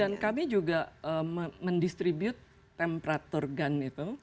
dan kami juga mendistribusi temperatur gun